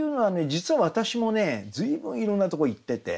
実は私もね随分いろんなとこ行ってて。